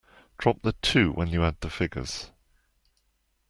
Drop the two when you add the figures.